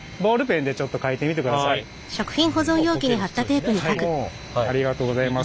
普通にね。ありがとうございます。